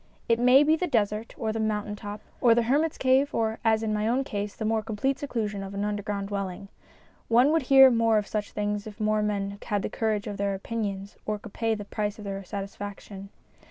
It may be the desert or the mountain top, or the hermit's cave or, as in my own case, the more complete seclusion of an underground dwelling. One would hear more of such things if more men had the courage of their opinions or could pay the price of their satisfaction.